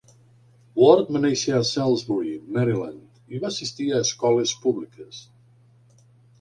Ward va néixer a Salisbury (Maryland) i va assistir a escoles públiques.